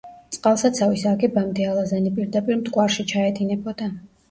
წყალსაცავის აგებამდე ალაზანი პირდაპირ მტკვარში ჩაედინებოდა.